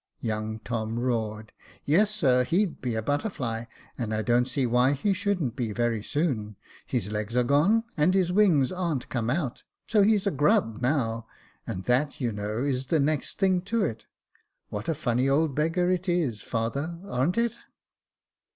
Young Tom roared, " Yes, sir, he'd be a butterfly, and I don't see why he shouldn't very soon. His legs are gone, and his wings aren't come ; so he's a grub now, and that, you know, is the next thing to it. What a funny old beggar it is, father — aren't it